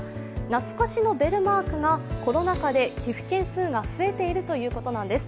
懐かしのベルマークがコロナ禍で寄付件数が増えているということなんです。